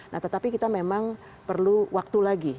nah tetapi kita memang perlu waktu lagi